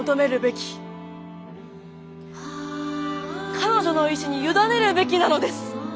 彼女の意志に委ねるべきなのです。